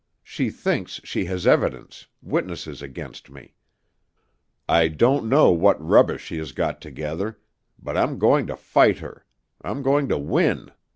She thinks she has evidence, witnesses against me. I don't know what rubbish she has got together. But I'm going to fight her. I'm going to win.